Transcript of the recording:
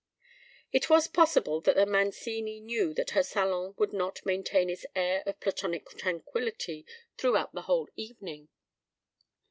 It was possible that the Mancini knew that her salon would not maintain its air of Platonic tranquillity throughout the whole evening.